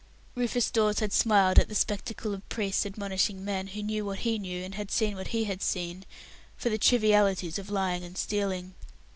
Rufus Dawes had smiled at the spectacle of priests admonishing men, who knew what he knew and had seen what he had seen, for the trivialities of lying and stealing.